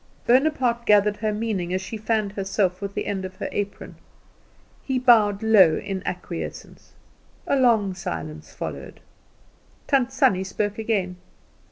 Bonaparte gathered her meaning as she fanned herself with the end of her apron. He bowed low in acquiescence. A long silence followed. Tant Sannie spoke again.